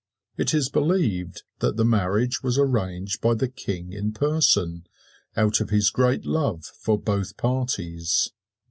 It is believed that the marriage was arranged by the King in person, out of his great love for both parties.